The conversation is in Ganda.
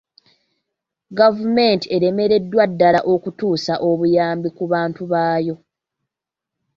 Gavumenti eremereddwa ddala okutuusa obuyambi ku bantu baayo.